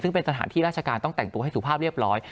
ซึ่งเป็นสถานที่ราชการต้องแต่งตัวให้สุภาพเรียบร้อย